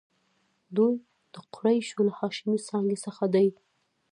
دوی د قریشو له هاشمي څانګې څخه دي.